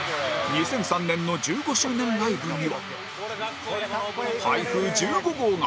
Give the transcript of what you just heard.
２００３年の１５周年ライブには台風１５号が！